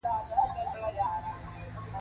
د اوبو کانالونه او بندونه هم د پرتلې وړ نه وو.